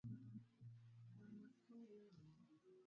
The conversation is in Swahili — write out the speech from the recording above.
Na badala yake wakiruhusiwa waingie nchini humo mara kwa mara.